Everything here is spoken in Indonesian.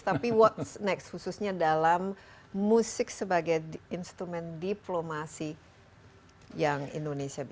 tapi what's next khususnya dalam musik sebagai instrumen diplomasi yang indonesia bisa